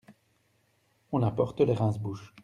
On apporte les rince-bouche.